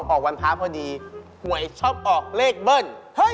๒๒ออกวันพาพพอดีหัวไอ้ชอบออกเลขเบิ่น